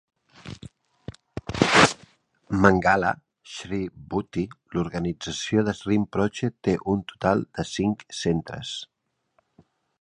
Mangala Shri Bhuti, l'organització de Rinpoche, té un total de cinc centres.